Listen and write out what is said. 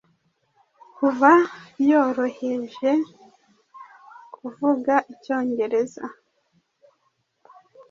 Kuva Byorohejekuvuga Icyongereza